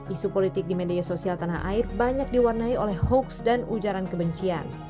isu politik di media sosial tanah air banyak diwarnai oleh hoaks dan ujaran kebencian